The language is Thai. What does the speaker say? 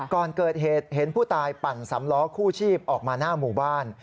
ก่อนเกิดเหตุเห็นผู้ตายปั่นสำล้อคู่ชีพออกมาหน้าหมู่บ้าน